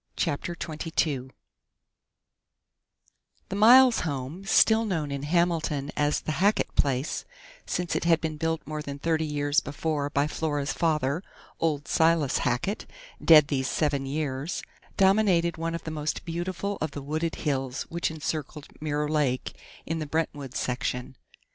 CHAPTER TWENTY TWO The Miles home, still known in Hamilton as the Hackett place, since it had been built more than thirty years before by Flora's father, old Silas Hackett, dead these seven years, dominated one of the most beautiful of the wooded hills which encircled Mirror Lake in the Brentwood section.